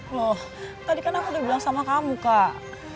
loh tadi kan aku udah bilang sama kamu kak